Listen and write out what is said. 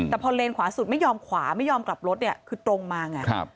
แต่พอเลนขวาสุดไม่ยอมขวาไม่ยอมกลับรถเนี่ยคือตรงมาไง